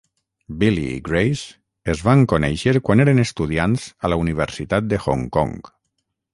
Billy i Grace es van conèixer quan eren estudiants a la Universitat de Hong Kong.